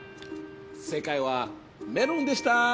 正解はメロンでした！